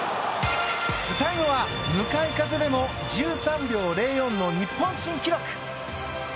タイムは向かい風でも１３秒０４の日本新記録。